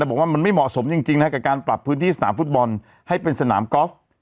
บอกว่ามันไม่เหมาะสมจริงนะครับกับการปรับพื้นที่สนามฟุตบอลให้เป็นสนามกอล์ฟ